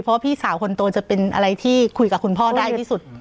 เพราะว่าพี่สาวคนโตจะเป็นอะไรที่คุยกับคุณพ่อได้ที่สุด